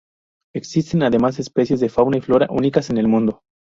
Existen además especies de fauna y flora únicas en el mundo.